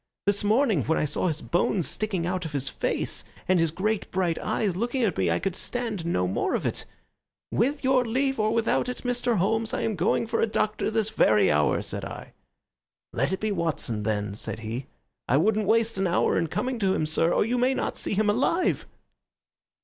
This morning when I saw his bones sticking out of his face and his great bright eyes looking at me I could stand no more of it. 'With your leave or without it, Mr. Holmes, I am going for a doctor this very hour,' said I. 'Let it be Watson, then,' said he. I wouldn't waste an hour in coming to him, sir, or you may not see him alive."